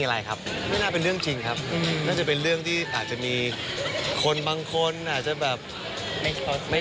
เช่าเก่งกับเท่าไหร่ประมาณว่า